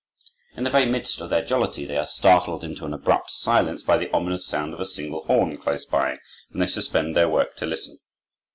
In the very midst of their jollity they are startled into an abrupt silence by the ominous sound of a single horn close by, and they suspend their work to listen.